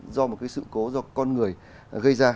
do một cái sự cố do con người gây ra